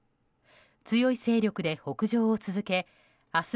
強い勢力で北上を続け明日